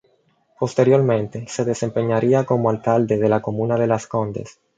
Posteriormente se desempeñaría como Alcalde de la comuna de Las Condes.